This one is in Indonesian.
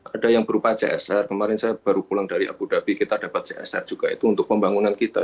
ada yang berupa csr kemarin saya baru pulang dari abu dhabi kita dapat csr juga itu untuk pembangunan kita